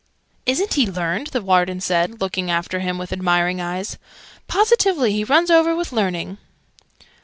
"Isn't he learned?" the Warden said, looking after him with admiring eyes. "Positively he runs over with learning!"